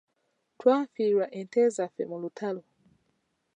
Twafiirwa ente zaffe mu lutalo.